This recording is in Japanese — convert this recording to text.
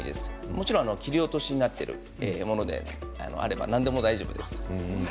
もちろん切り落としになっているものであれば何でも大丈夫です。